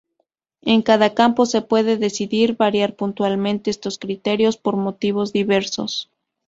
En cada campo, se puede decidir variar puntualmente estos criterios por motivos diversos.